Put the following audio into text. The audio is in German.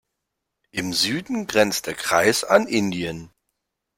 Im Süden grenzt der Kreis an Indien.